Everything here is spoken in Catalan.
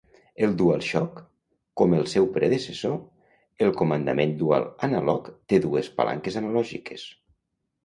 El DualShock, com el seu predecessor, el comandament Dual Analog, té dues palanques analògiques.